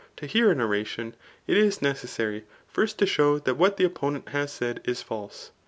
to hear an oration, it is necessary first . to show that:wfadt thie opponent has said is false.